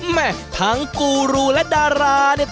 แม่ทั้งกูรูและดาราเนี่ย